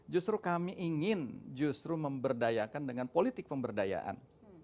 justru kami ingin justru memberdayakan dengan politik pemberdayaan